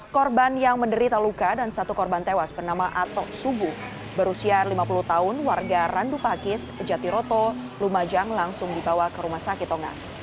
empat korban yang menderita luka dan satu korban tewas bernama atok subuh berusia lima puluh tahun warga randu pakis jatiroto lumajang langsung dibawa ke rumah sakit tongas